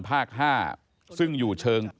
ภาค๕ซึ่งอยู่เชิง